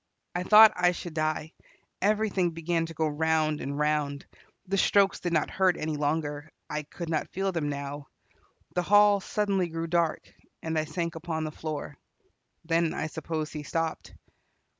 I thought I should die; everything began to go round and round. The strokes did not hurt any longer; I could not feel them now. The hall suddenly grew dark, and I sank upon the floor. Then I suppose he stopped.